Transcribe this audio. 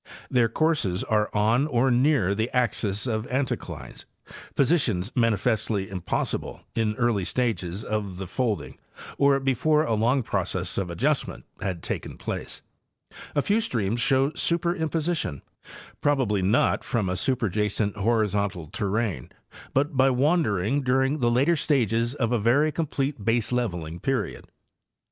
Their courses are on or near the axes of anticlines, positions manifestly impossible in early stages of the folding or before a long process of adjustment had taken place. A few streams show superimposition, probably not from a superjacent horizontal terrane, but by wandering during the later stages of a very complete baseleveling period.